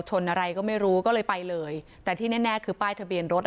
ชนอะไรก็ไม่รู้ก็เลยไปเลยแต่ที่แน่แน่คือป้ายทะเบียนรถอ่ะ